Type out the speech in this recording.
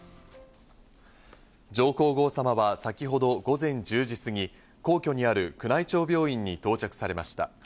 上皇后さまは先ほど午前１０時過ぎ、皇居にある宮内庁病院に到着されました。